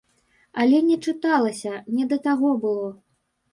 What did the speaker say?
Але не чыталася, не да таго было.